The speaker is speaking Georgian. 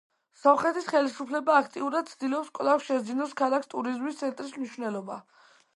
სომხეთის ხელისუფლება აქტიურად ცდილობს კვლავ შესძინოს ქალაქს ტურიზმის ცენტრის მნიშვნელობა.